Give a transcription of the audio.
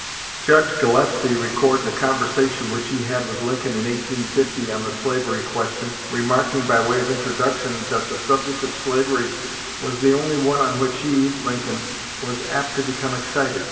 Judge Gillespie records a conversation which he had with Lincoln in 1850 on the slavery question, remarking by way of introduction that the subject of slavery was the only one on which he (Lincoln) was apt to become excited.